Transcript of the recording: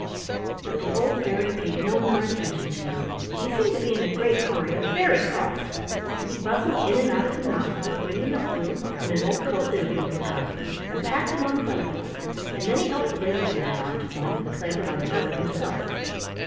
But the old fairy paid no more attention to him. He seemed to be in a great hurry and very cross. He bustled in and out of the knot hole, bringing a broom and an old coat that had been forgotten, and packed them on the butterflies, and then he helped the lady fairy on to one, and clambered on another himself.